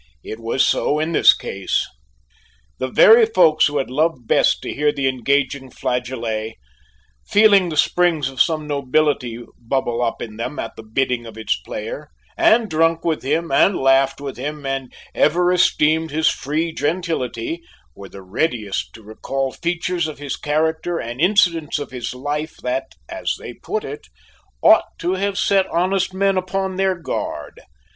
It was so in this case. The very folks who had loved best to hear the engaging flageolet, feeling the springs of some nobility bubble up in them at the bidding of its player, and drunk with him and laughed with him and ever esteemed his free gentility, were the readiest to recall features of his character and incidents of his life that as they put it ought to have set honest men upon their guard.